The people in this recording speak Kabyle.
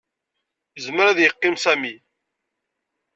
Yezmer ad yeqqim Sami.